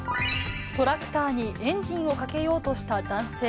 トラクターにエンジンをかけようとした男性。